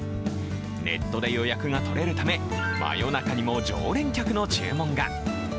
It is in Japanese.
ネットで予約がとれるため、真夜中にも常連客の注文が。